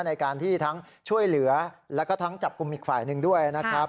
ในการที่ทั้งช่วยเหลือแล้วก็ทั้งจับกลุ่มอีกฝ่ายหนึ่งด้วยนะครับ